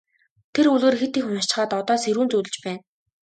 Тэр үлгэр хэт их уншчихаад одоо сэрүүн зүүдэлж байна.